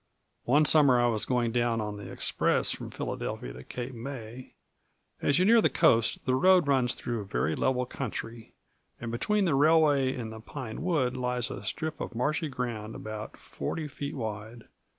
One summer I was going down on the express from Philadelphia to Cape May. As you near the coast the road runs through very level country, and between the railway and the pine wood lies a strip of marshy ground about forty feet wide.